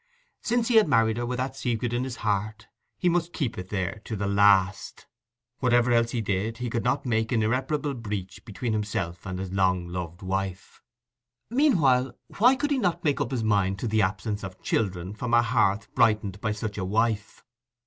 Since he had married her with that secret on his heart, he must keep it there to the last. Whatever else he did, he could not make an irreparable breach between himself and this long loved wife. Meanwhile, why could he not make up his mind to the absence of children from a hearth brightened by such a wife?